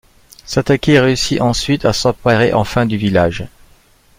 Satake réussit ensuite à s'emparer enfin du village.